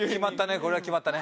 これは決まったね。